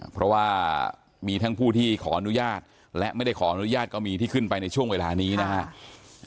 เพราะว่ามีทั้งผู้ที่ขออนุญาตและไม่ได้ขออนุญาตก็มีที่ขึ้นไปในช่วงเวลานี้นะฮะ